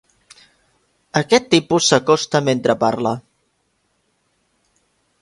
Aquest tipus s'acosta mentre parla.